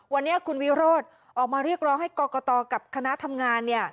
วันนี้คุณวิโรธออกมาเรียกร้องให้กรกตกับคณะทำงานเนี่ย